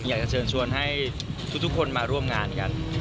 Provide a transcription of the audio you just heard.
อยากจะเชิญชวนให้ทุกคนมาร่วมงานกัน